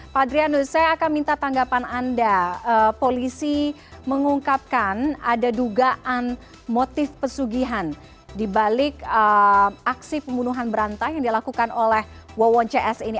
pak adrianus saya akan minta tanggapan anda polisi mengungkapkan ada dugaan motif pesugihan dibalik aksi pembunuhan berantai yang dilakukan oleh wawon cs ini